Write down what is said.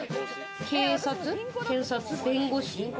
警察、検察、弁護士。